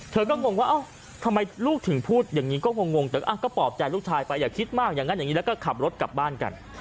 เธอก็งงว่าเอ้าทำไมลูกถึงพูดอย่างนี้ก็งงแต่ก็ปลอบใจลูกชายไปอย่าคิดมากอย่างนั้นอย่างนี้แล้วก็ขับรถกลับบ้านกัน